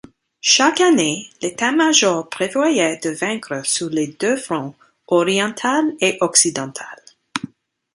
Chaque année, l'État major prévoyait de vaincre sur les deux fronts, oriental et occidental.